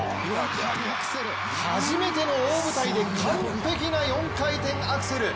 初めての大舞台で完璧な４回転アクセル。